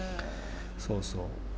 そうそう。